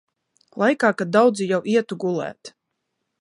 Laikā, kad daudzi jau ietu gulēt.